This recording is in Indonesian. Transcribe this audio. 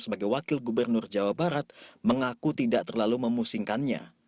sebagai wakil gubernur jawa barat mengaku tidak terlalu memusingkannya